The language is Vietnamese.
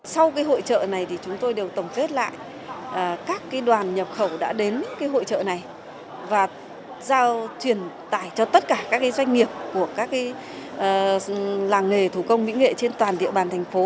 sau hội trợ này thì chúng tôi đều tổng kết lại các đoàn nhập khẩu đã đến hội trợ này và giao truyền tải cho tất cả các doanh nghiệp của các làng nghề thủ công mỹ nghệ trên toàn địa bàn thành phố